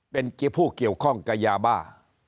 เป็นผู้เกี่ยวข้องกับยาบ้า